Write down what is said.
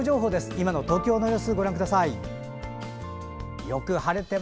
今の東京の様子ご覧ください。